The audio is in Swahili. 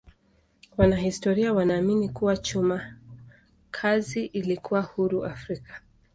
Wanahistoria wanaamini kuwa chuma kazi ilikuwa huru Afrika.